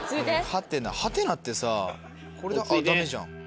ハテナハテナってさこれあっダメじゃん。